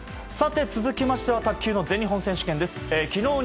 続きましては卓球の全日本選手権です。